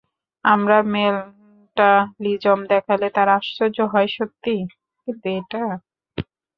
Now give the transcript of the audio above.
আমরা মেন্টালিজম দেখালে তারা আশ্চর্য হয় সত্যি, কিন্তু এটা?